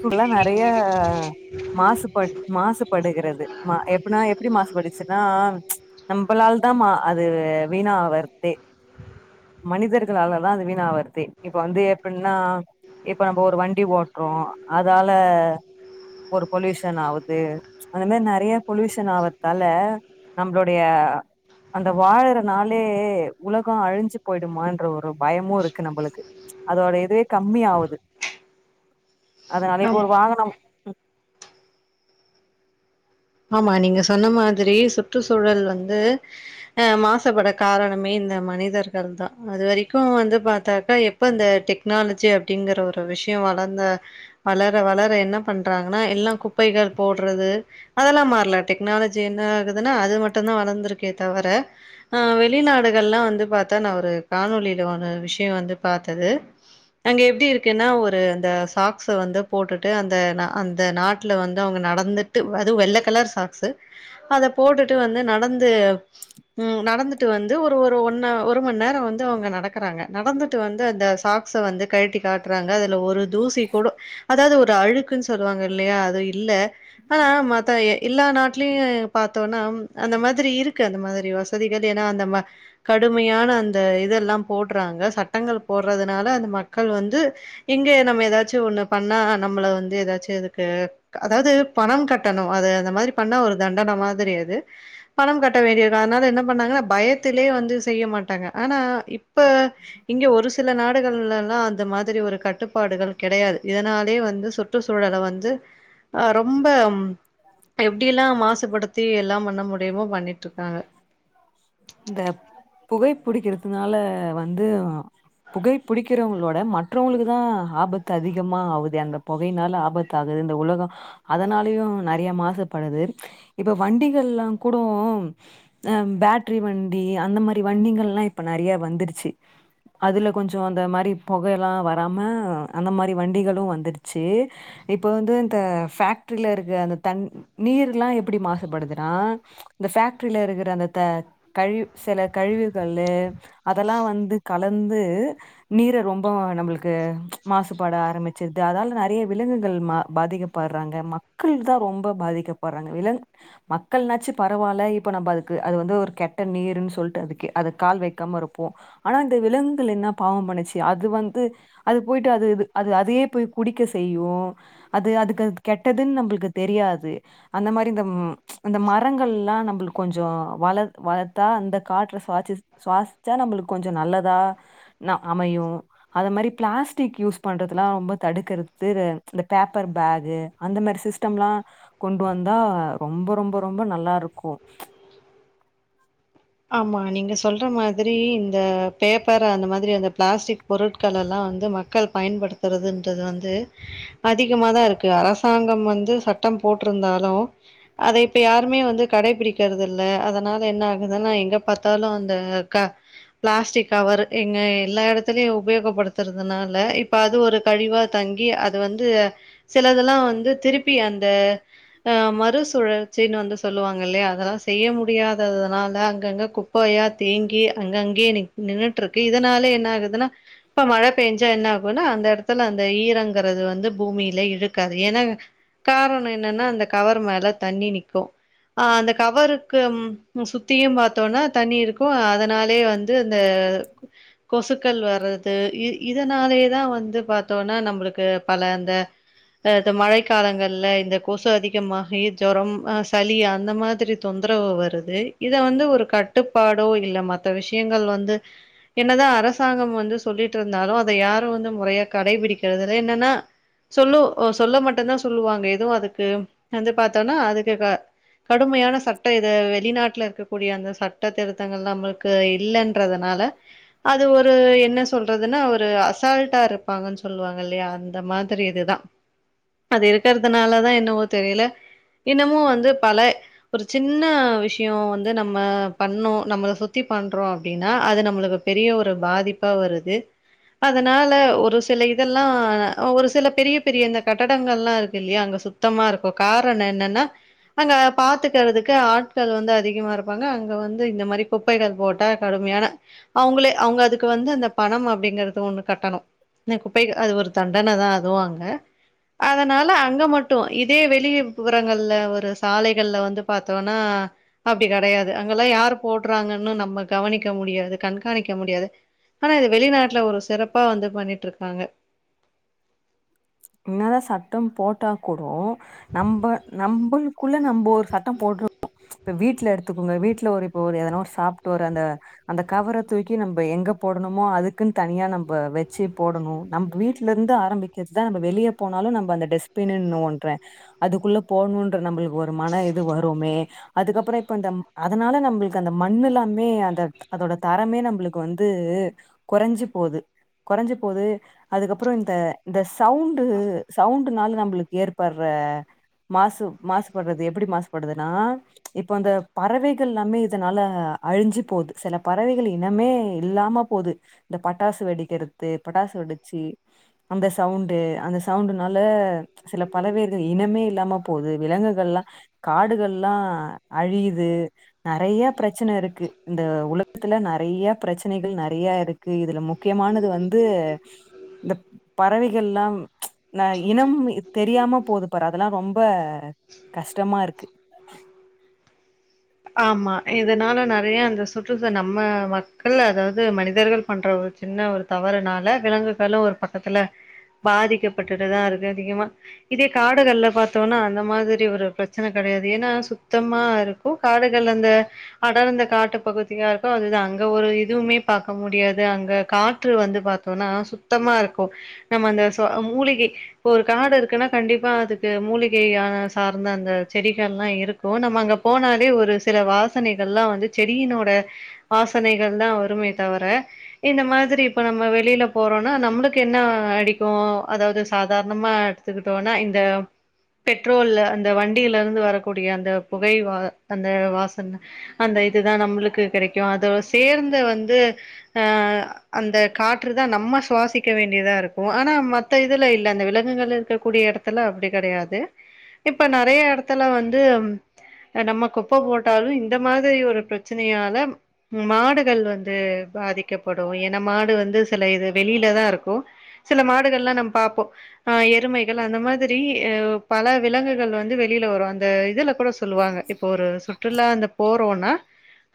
சுல்லா நெறைய மாசு பட் மாசுபடுகிறது மா எப்ட்னா எப்டி மாசு பட்டுச்சின்னா நம்பளால்தா மா அது வீணாவர்தே மனிதர்களாலதா அது வீணாவற்தே இப்ப வந்து எப்பிட்ன்னா இப்ப நம்போ ஒரு வண்டி ஓட்றோ அதால ஒரு பொல்யூஷன் ஆவுது அந்த மாரி நெறைய பொல்யூஷன் ஆவர்தால நம்ளோடைய அந்த வாழற நாளே‌ உலகோ அழிஞ்சி போயிடுமான்ற ஒரு பயமுருக்கு நம்பளுக்கு அதோட இதுவே கம்மியாவுது அதனாலே இப்போ ஆம் ஒரு வாகனம் ஆமா நீங்க சொன்ன மாதிரியே சுற்றுச்சூழல் வந்து அ மாசுபட காரணமே இந் இந்த மனிதர்கள் தா அது வெரிக்கு வந்து பாத்தாக்கா எப்ப இந்த டெக்னாலஜி அப்டிங்கிற ஒரு விஷ் யோ வளந்த வளர வளர என்ன பண்றாங்கன்னா எல்லா குப்பைகள் போட்றது அதெல்லா மாற்லா‌ டெக்னாலஜி என்ன ஆகுதுன்னா அது மட்டுந்தா வளந்துருக்கே தவர அ வெளிநாடுகள் இதெல்லா வந்து பாத்தா நா ஒரு காணொலில ஒரு விஷயோ வந்து பாத்தது அங்க எப்டி இருக்குன்னா ஒரு அந்த சாக்ஸ்ஸ வந்து போட்டுட்டு அந்த அந்த நாட்டுல வந்து அவுங்க நடந்துட்டு வ அது வெள்ள கலர் சாக்ஸு அத போட்டுட்டு வந்து நடந்து ம் நடந்துட்டு வந்து ஒரு ஒரு ஒன்னவர் ஒரு மண் நேரோ வந்து அவுங்க நடக்கறாங்க நடந்துட்டு வந்து அந்த சாக்ஸ்ஸ வந்து கழட்டி காட்றாங்க அதுல ஒரு தூசி குடோ அதாவது ஒரு அழுக்குன் சொல்லுவாங்க இல்லையா அது இல்ல ஆனா மத் எல்லா நாட்டுலயு பாத்தோன்னா அந்த மாதிரி இருக்கு அந்த மாதிரி வசதிகள் ஏன்னா அந்த மா கடுமையான அந்த இதெல்லா போட்றாங்க சட்டங்கள் போட்றதுனால அந்த மக்கள் வந்து இங்கே நம்ம ஏதாச்சு ஒண்ணு பண்ணா நம்மள வந்து ஏதாச்சு இதுக்கு அதாவது பணம் கட் டணு அது அந்த மாதிரி பண்ண ஒரு தண்டன மாதிரி அது பணம் கட்ட வேண்டிய அதனால என்ன பண்ணாங்கன்ன பயத் துலையே வந்து செய்ய மாட்டாங்க ஆனா இப்ப இங்க ஒரு சில நாடுகள்லல்லா அந்த மாதிரி ஒரு கட்டுப்பாடுகள் கெடையாது இதனாலயே வந்து சுற்றுச்சூழல வந்து அ ரொம்ப ம் எப்டியெல்லா மாசுபடுத்தி எல்லாம் பண்ண முடியுமோ பண்ணிட்ருக்காங்க புடிக்குறதுனால வந்து புகை புடிக்குறோவங்களோட் ட மற்றோங்களுக்கு தா ஆபத்து அதிகமா ஆவுதே அந்த புகையினால ஆபத்து ஆகுது இந்த உலகோ அதனால் னாலயு நெறைய மாசுப்படுது இப்ப வண்டி கள்ளா கூடோ பேட்ரி வண்டி அந்த மாதிரி வண்டிங்கள்ளா இப்ப நெறைய வந்துரிச் சி அதுல கொஞ்சோ அந்த மாரி பொக எல்லா வராம அந்த மாரி வண்டிகளும் வந்துடுச்சி இப்ப வந்து இந்த ஃபேக்ட்ரிலருக்க அந்த தண் நீருல்லா எப்படி மாசுபடுது அ இந்த ஃபேக்டரிலருக்குற அந்த த கழி செல கழிவுகள்ளு அதெல்லா லா வந்து கலந்து நீர ரொம்ப நம்பளுக்கு மாசுபாட ஆரம்பிச்சிர்து அதால நெறைய விலங்குகள் ம பாதிக்கப்பற்றாங்க மக்கள் தா ரொம்ப பாதிக்கப்பற்றாங்க விலங் மக்கள்னாச்சும் பரவாயில்ல இப்ப நம்ம அதுக்கு அது வந்து ஒரு கெட்ட நீர்ன்னு சொல்லிட்டு அதுக்கு அத கால் வைக்காம இருப்போம் ஆனா இந்த விலங்குகள் என்ன பாவம் பண்ணுச்சு அது வந்து அது போயிட்டு அதுது அதையே போய் கூடி க்க செய்யு அது கெட்டதுன்னு தெரியாது அந்த மாரி இந்த அந்த மரங்கள்ல்லாம் நம்ம ளுக்கு கொஞ்சம் வள வளர்த்தா அந்த காற்ற சுவாசி சுவாசிச்சா நம்மளுக்கு கொஞ்சம் நல்லதா நா அமையும் அது மாரி பிளாஸ்டிக் யூஸ் பண்றதெல்லாம் ரொம்ப தடுக்கிறது இந்த பேப்பர் பேக்கு அந்த மாரி சிஸ்டம்லாம் கொண்டு வந்தா ரொம்ப ரொம்ப ரொம்ப நல்லா ருக்கும் ஆமா நீங்க சொல்ற மாதிரி இந்த பேப்பர் அந்த மாதிரி அந்த பிளாஸ்டிக் பொருட்களெல்லா வந்து மக்கள் பயன்படுத்துறதுன்றது வந்து அதிகமா தான் ருக்கு அரசாங்கம் வந்து சட்டம் போட் ருந்தாலும் அத இப்ப யாருமே வந்து கடைபிடிக்றது இல்ல அதனால என்ன ஆகு அதனா எங்க பாத்தாலு அந்த க பிளாஸ்டிக் கவரு எங்க எல்லா எடத்லயு உபயோகப்படுத்துறதுனால இப்ப அது ஒரு கழிவா த ங்கி அது வந்து சிலதெல்லாம் வந்து திருப்பி அந்த அ மறுசுழற்சி பின் வந்து சொல்லுவாங்கல்லெயா அதெல்லா செய்ய முடியாததனால அங்கங்க குப்பையா தேங்கி அங் கேயே நின் நின்னுட்ருக்கு இதனால என்ன ஆகுதுன்னா இப்ப மழ பேஞ்சா என்னா குனா அந்த எடத்துல அந்த ஈரங்றது வந்து பூமியில இழுக்காது ஏன்னா காரணம் என்னன்னா அந்த கவர் மேல தண்ணி நிக்கோ ஆ அந்த கவருக்கு சுத் தீயும் பாத்தோனா தண்ணி இருக்கும் அதனாலே வந்து அந்த கொசுக்கள் வர்றது இ இதனாலேதான் வந்து பாத்தோனா நம்ளுக்கு பல அந்த அ தொ மழை காலங்கள்ல இந்த கொசு அதிகமாகி ஜொரம் அ சளி அந்த மாதிரி தொ தொந்ரவு வருது இத வந்து ஒரு கட்டுப்பாடோ இல்ல மத்த விஷயங்கள் வந்து என்னதான் அரசாங்கம் வந்து சொல்லிட்ருந்தாலு அத யாரும் வந்து மொறையா கடைபிடிக்றதுல என்னன்னா சொல்லும் சொல்ல மட்டும்தான் சொல்லுவாங்க எதுவும் அதுக்கு வந்து பாத்தோம்னா அதுக் திர்க கடும்யான சட்ட இது வெளிநாட்ல இ து ஒரு என்ன சொல்றதுன்னா ஒரு அசால்ட்டாருப்பாங்கனு சொல்லுவாங்கல்லயா அந்த மாதிரி இதுதான் அது இருக்கற்தனாலதான் என்னவோ தெரில இன்னமு வந்து பல ஒரு சின்ன விஷ்யு வந் து நம்ம பண்ணோ நம்ள சுத்தி பண்றோ அப்டின்னா அது நம்ளுக் பெரிய ஒரு பாதிப்பா வருது அதனால ஒரு சில இதெல்லா ஒரு சில பெரிய பெரிய இந்த கட்டடங்கள்லா இருக்குல்லயா அங் சுத்தமாருக்கு காரண என்னன்னா அங்க பாத்துக்றதுக்கு ஆட்கள் வந்து அதிகமாருக் வாங்க அங்க வந்து இந்த மாரி குப்பைகள் போட்ட கடும்யான அவுங்ளே அவ்ங்க அதுக் வந்து அந்த பணம் அ ப்டிங்றது ஒண்ணு கட்டணோ ந குப்பை அது ஒரு தண்டன தான் அதுவு அங்க அதனால அங்க மட்டும் இதே வெளிப்புறங்கள்ல ஒரு சாலைகள்ல வந்து பாத்தோனா அ அப் ப்டி கடயாது அங்கெல்லா யாரு போட்றாங்கன்னு நம்ம கவனிக்க முடியாது கண்காணிக்க முடியாது ஆனா இது வெளிநாட்ல ஒரு சிறப்பா வந்து பண்ணிட்ருக்காங்க என்னாதான் சட்டம் போட்டா குடோ நம்ம நம்ளுக்குள்ள நம்ம ஒரு சட்டம் போட் ப்ப வீட்ல எடுத்துக்கோங்க வீட்ல ஒரு இப்போ ஒரு எதனா ஒரு சாப்ட்டு ஒரு அந்த அந்த கவர தூக்கி நம்ம எங்க போடணுமா அதுக்குன் தனியா நம்ப வச்சி போடணு நம்ம வீட்ல ருந்து ஆரம்பிக்க ருதான் நம்ப வெளிய போனாலு நம்ப அந்த டஸ்பின்ன் ஒன்றேன் அதுக்குள்ள போணோன்ற நம்ளுக் ஒரு மன இது வருமே அதுக்கப்ற இப்ப அந்த அதனால நம்ளுக் அந்த மண் ல்லாமே அந்த அதோட தரமே நம்ளுக் வந்து து கொறஞ்சி போது கொறஞ்சி போது அதுக்கப்றோ இந்த இந்த சவுண்டு சவுண்டுனால நம்ளுக் ஏற்பர்ற மாசு மாசுபட்றது எப்டி மாசுபடுதுன்னா இப்ப அந்த பறவைகள் ல்லாமே இதனால அழிஞ்சி போது செல பறவைகள் இனமே இல்லாம போது இந்த பட்டாஸ் வெடிக்கறது பட்டாஸ் வெடச்சி அந்த சவுண்டு அந்த சவுண்டுனால சில பறவைகள் இனமே இல்லாம போது விலங்குகள்லா காடுகள்ல்லா அழியிது நெறைய பிரச்சன ருக்கு இந்த உல த் துல நெறைய பிரச்சனகள் நெறைய ருக்கு இதுல முக்கியமானது வந்து தப் பறவைகள்லாம் ந இனம் தெரியாம போதுப்பாரு அதெல்லா ரொம்ப கஷ்டமா ருக்கு ஆமா இதனால நெறைய அந்த சுற்றுச நம்ம மக்கள் அதாவ்து மனிதர்கள் பண்ற சின்ன ஒரு தவறுனால விலங்குகளு ஒரு பக்கத்துல பாதிக்கப்பட்டுட்டுதா ருக் அதிகமா இதே காடுகள்ல பாத்தோனா அந்த மாதிரி ஒரு பிரச்சன க அது ஏன்னா சுத்தமா இருக்கு காடுகள் அந்த அடர்ந்த காட்டு பகுதியா இருக்கு அதுதா அங்க ஒரு இதுவுமே பாக்க முடியாது அங்க காற்று வந்து பாத்தோனா சுத்தமா இருக் கோ நம்ம அந்த சோ மூலிகை இப்ப ஒரு காடு இருக்குன்னா கண்டிப்பா அதுக்கு மூலிகையான சார் ந்த அந்த செடிகள் எல்லா இருக்கு நம்ம அங்க போன ஒரு சில வாசனைகள்லா வந்து செடியினோட வாசனைகள் தா வருமே தவர இந்த மாதிரி இப்போ நம்ம வெளியில போறோம்னா நம்மளுக்கு என்ன அடிக்கு அதாவது சாதாரணமா கத்துக்கிட்டோம்னா இந்த பெட்ரோல்ல அந்த வண்டியில இருந்து வரக்கூடிய அந்த புகை வ அந்த வாசன அந்த இதுதா நம்மளுக்கு கெடைக்கு அதோட சேர்ந்து வந்து ஆ அந்த காற்று தா நம்ம சுவாசிக்க வேண்டியதா இருக்கு ஆனா மத்த இதுல இல்ல அந்த விலங்குகள் இருக்கக்கூடிய எடத்துல அப்டி கெடையாது இப்ப நெறைய எடத்துல வந்து அ நம்ம குப்ப போட்டாலு இந்த மாதிரி ஒரு பிரச்சனையால மாடுகள் வந்து பாதிக்கப்படு ட்டு ஏனா மாடு வந்து சில இது வெளியில தா இருக்கு சில மாடுகள் எல்லா நம்ம பாப்போ ஆ எருமைகள் அந்த மாதிரி அ பல விலங்குகள் வந்து வெளி யில வரு அந்த இதுல கூட சொல்லுவாங்க இப்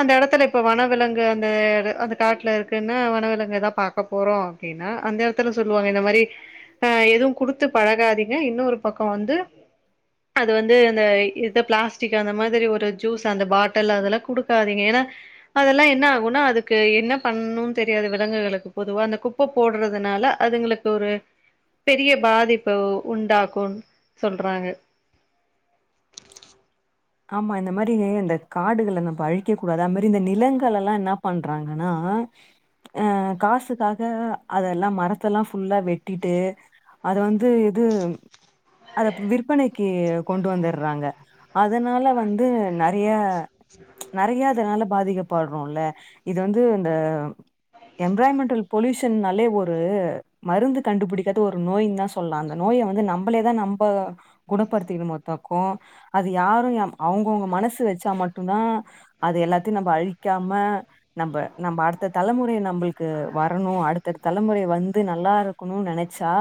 அந்த எடத்துல இப்ப வனவிலங்கு அந்த அந்த காட்டுல இருக்குன்னா வனவிலங்குதா பாக்க போறோ அப்டின்னா அந்த எடத்துல சொல்லுவாங்க இந்த மாரி ஆ எதுவு குடுத்து பழகாதீங்க இன்னொரு பக்கோ வந்து அது வந்து இந்த இ பிளாஸ்டிக் அந்த மாதி ஒரு ஜூஸ் அந்த பாட்டல் அதெல்லா குடுக்காதீங்க ஏனா அதெல்லா என்ன ஆகுனா அதுக்கு என்ன பண் ணுன்னு தெரியாது விலங்குகளுக்கு பொதுவா அந்த குப்ப போடுறதுனால அதுங்களுக்கு ஒரு பெரிய பாதிப்பு உண்டாக்குன் சொல்றாங்க ஆமா இந்த மாரி இந்த காடுகளை நம்ம அழிக்க கூடாது அது மாரி இந்த நிலங்களெல்லா என்னாப் பண்றாங்கன்னா அ அ காசுக்காக அதெல்லா மரத்த எல்லாம் ஃபுல்லா வெட்டிட்டு அத வந்து இது அத விற்பனைக்கு கொண்டு வந்துடுறாங்க அதனால வந்து நெறையா நெறையா அதனால பாதிக்கப்படுறோ இல்ல இது வந்து இந்த எம்ராய்ன்மென்டல் பொல்யூஷன்னாலே ஒரு மருந்து கண்டுபிடிக்காத ஒரு நோயின்தா சொல்லலா அந்த நோய் ய வந்து நம்மளேதா நம்ம குணப்படுத்திக்கணுமத்தாக்கு அது யாரு யம் அவுங்கவுங்க மனசு வச்சா மட்டும்தா அது எல்லாத்தையு நம்ம அழிக்காம நம்ம நம்ம அடுத்த தலைமுறை நம்மளுக்கு வரணு அடுத்த தலைமுறை வந்து நல்லா இருக்கணும்னு நெனைச் ச்சா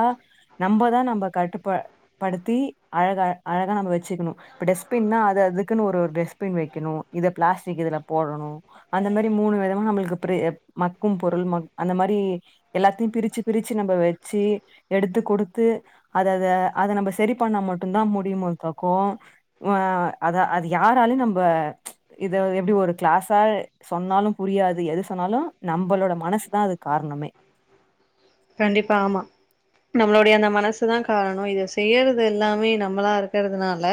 நம்மதா நம்ம கட்டுப்ப படுத்தி அழகா அழகா நம்ம வச்சுக்கணு இப்ப டஸ்பின்னா அது அதுக்குன்னு ஒரு டஸ்பின் வெக்கணு இது பிளாஸ்டிக் இதுல போடணு அந்த மாரி மூணு இதெல்லா நம்மளுக்கு இப்டி மக்கும் பொருள் மக் அந்த மாரி எல்லாத்தையு பிரிச்சு பிரிச்சு நம்ம வச்சி எடுத்து குடுத்து அத அத அத நம்ம சரி பண்ணா மட்டுந்தா முடியுமொருபக்கோ அ அத அது யாராலு நம்ப இத எப்டி ஒரு கிளாஸா சொன்னாலும் புரி யாது எது சொன்னாலு நம்பளோட மனசு தா அது காரணமே நம்மளோடைய அந்த மனசுதா காரணோ இத செய்யறது எல்லாமே நம்மளா இருக்கறதுனால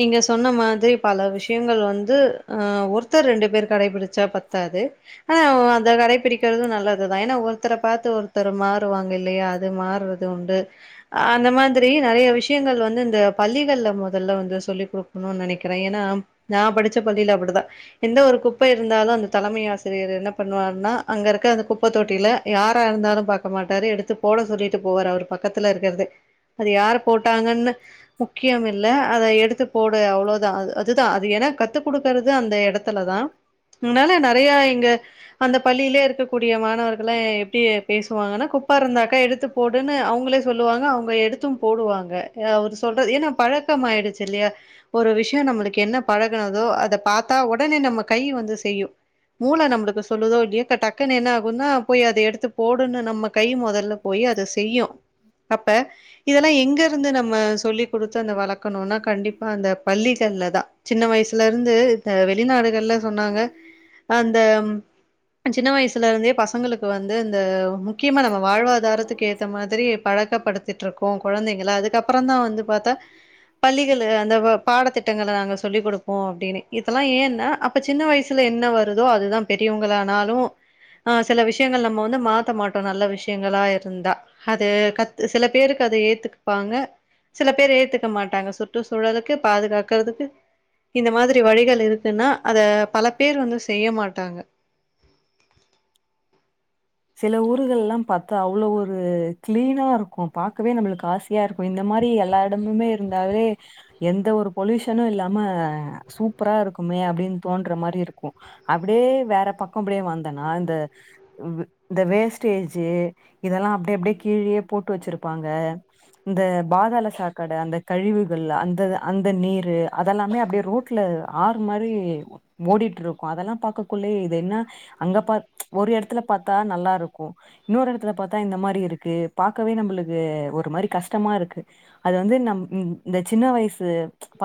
நீங்க சொன்ன மாதிரி பல விஷயங்கள் வந்து அ ஒருத்தர் ரெண்டு பேர் கடைபிடிச்சா பத்தாது அந்த கடைப்பிடிக்கிறது நல்லதுதா ஏன்னா ஒருத்தரை பாத்து ஒருத்தர் மாறுவாங்க இல்லையா அது மாறுறது உண்டு அ அந்த மாதிரி நெறைய விஷயங்கள் வந்து இந்த பள்ளிகள்ல முதல்ல வந்து சொல்லி் குடுக்கணும்னு நெனைக்கிறே ஏன்னா நா படிச்ச பள்ளியில அப்படித்தா எந்த ஒரு குப்பை இருந்தாலு அந்த தலைமையாசி ரியர் என்ன பண்ணுவார்னா அங்க இருக்க அந்த குப்பத்தொட்டியில யாரா இருந்தாலும் பாக்க மாட்டாரு எடுத்து போட சொல்லிட்டு போறவர் பக்கத்துல இருக்கறது அது யார் போட்டாங்கன்னு முக்கியம் இல்ல அத எடுத்து போடு அவ்வளோதா அதுதா அது என் கத்து குடுக்கறது அந்த எடத்துல தா உன்னால நெறைய இங்க அந்த பள்ளியிலே இருக்கக்கூடிய மாணவர்கள்லா எப்டி பேசுவாங்கனா குப்ப இருந்தாக்கா எடுத்து போடு ன்னு அவங்களே சொல்லுவாங்க அவங்க எடுத்தும் போடுவாங்க அவர் சொல்றது ஏன்னா பழக்கம் ஆயிடுச்சு இல்லியா ஒரு விஷயம் நம்மளுக்கு என்ன பழகுனதோ அத பாத்தா உடனே நம்ம கை வந்து செய்யும் மூள நம்மளுக்கு சொல்லுதோ இல்லயோ டக்குன்னு என்ன ஆகும்ன்னா போய் அத எடுத்து போடுன்னு நம்ம கை முதல்ல போய் அ அத செய்யு அப்ப இதெல்லா எங்க இருந்து நம்ம சொல்லிக் குடுத்து அந்த வளக்கணும்னா கண்டிப்பா அந்த பள்ளி இல்லதா சின்ன வயசுல இருந்து இந்த வெளிநாடுகள்ல சொன்னாங்க அந்த சின்ன வயசுல இருந்தே பசங்களுக்கு வந்து இந்த முக்கியமா நம்ம வாழ்வாதாரத்துக்கு ஏத்த மாதிரி பழக்கப்படுத்திட்டு இருக்கோ கொழந்தைங்கள அதுக்கப் அப்புறந்தா வந்து பாத்தா பள்ளிகள் அந்த பாடத்திட் திட்டங்கள நாங்க சொல்லிக் குடுப்போம் அப்படின்னு இதெல்லா ஏன்னா அப்ப சின்ன வயசுல என்ன வருதோ அதுதா பெரியவங் வங்களானாலும் ஆ சில விஷயங்கள் நம்ம வந்து மாத்த மாட்டோ நல்ல விஷயங்களா இருந்தா அது கத் சில பேருக்கு அது ஏத்துப்பாங்க சில பேர் ஏத்துக்க மாட்டாங்க சுற்றுச்சூழலுக்கு பாதுகாக்கறதுக்கு இந்த மாதிரி வழிகள் இருக்குன்னா அத பல பேர் வந்து செய்ய மாட்டாங்க. சில ஊர்கள் எல்லா பாத்தா அவ்ளோ ஒரு கிளீனா இருக்கும் பாக்கவே நம்மளுக்கு ஆசையா இருக்கும் இந்த இந்த மாரி எல்லா எடமுமே இருந்தாலே எந்த ஒரு பொல்யூஷனு இல்லாம சூப்பரா இருக்கும் ஏ அப்படின் தோன்ற மாரி இருக்கு அப்டியே வேற பக்க அப்டியே வந்தேன்னா இந்த ம் இந்த வேஸ்டேஜு இதெல்லா அப்டிஅப்டியே கீழ்யே போட்டு வச்சிருப்பாங்க இந்த பாதாள சாக்கடை அந்த கழிவுகள் அந்த அந்த நீரு அதெல்லாமே அப்டியே ரோட்ல ஆறு மா மாரி ஓடிட்ருப்போ அதெல்லா பார்கக்குள்ள இது என்ன அங்க பாத் ஒரு எடத்துல பாத் நல்லா இருக்கு இன்னொரு எடத்துல பாத்தா இந்த மாரி இருக்கு பாக்கவே நம்மளுக்கு ஒரு மாரி கஷ்டமா இருக் கு அது வந்து நம் இந்த சின்ன வயசு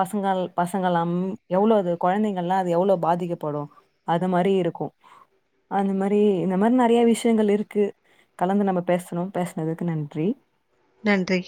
பசங்கள் பசங்களாம் எவ்ளோ இது குழந்தைகல்லா அது எவ்ளோ பாதிக்கப்படும் அது மாரி இருக்கும் அந்த மாரி இந்த மாரி நிறைய விஷயங்கள் இருக்கு கலந்து நம்ம பேசணோ பேசுனதுக்கு நன்றி நன்றி